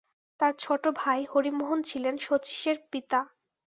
তাঁর ছোটো ভাই হরিমোহন ছিলেন শচীশের পিতা।